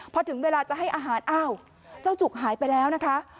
พอถึงเวลาจะให้อาหารอ้าวเจ้าจุกหายไปแล้วนะคะ